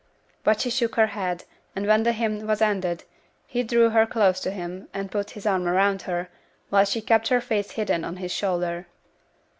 But she shook her head, and when the hymn was ended, he drew her close to him, and put his arm around her, while she kept her face hidden on his shoulder.